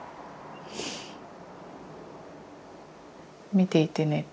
見ていてね。